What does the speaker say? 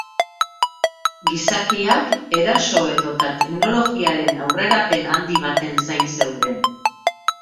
Gizakiak eraso edota teknologiaren aurrerapen handi baten zain zeuden.